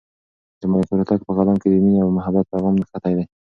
د ملکیار هوتک په کلام کې د مینې او محبت پیغام نغښتی دی.